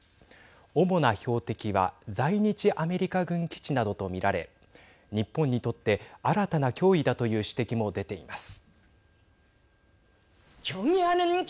主な標的は在日アメリカ軍基地などと見られ日本にとって新たな脅威だという指摘も出ています。